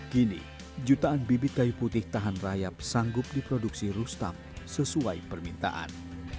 kini jutaan bibit kayu putih tahan rayap sanggup diproduksi rustam sesuai permintaan